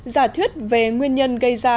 giả thuyết về nguyên nhân gây ra